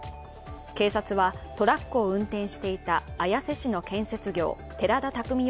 警察はトラックを運転していた綾瀬市の建設業・寺田拓海